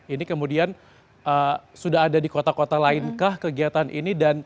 ini kemudian sudah ada di kota kota lain kah kegiatan ini